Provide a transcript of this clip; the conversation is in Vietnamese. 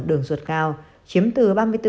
đường ruột cao chiếm từ ba mươi bốn sáu mươi một